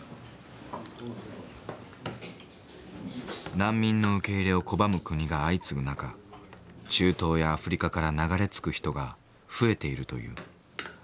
難民の受け入れを拒む国が相次ぐ中中東やアフリカから流れ着く人が増えているという。